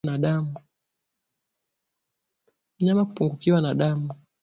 Mnyama kupungukiwa na damu